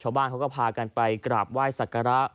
ชาวบ้านเขาก็พากันไปกราบไหว้สักการะ